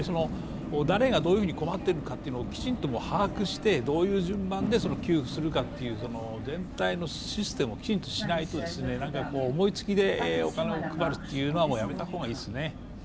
誰がどういうふうに困っているか、きちんと把握して、どういう順番で給付するかという全体のシステムをきちんとしないと思いつきでお金を配るのはもうやめた方がいいですね。